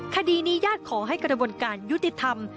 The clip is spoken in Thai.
คดีนี้ญาติขอให้กระบวนการยุติธรรม